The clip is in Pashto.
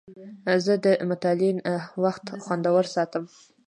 زه د مطالعې وخت خوندور ساتم.